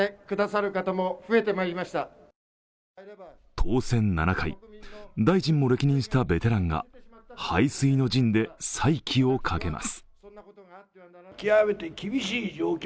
当選７回、大臣も歴任したベテランが背水の陣で再起をかけます。